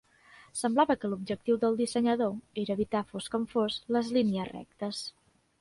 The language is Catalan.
Semblava que l'objectiu del dissenyador era evitar fos com fos les línies rectes.